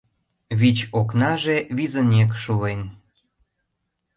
Вич окнаже визынек шулен.